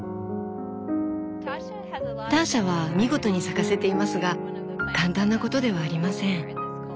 ターシャは見事に咲かせていますが簡単なことではありません。